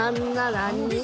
何？